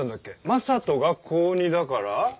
正門が高２だから。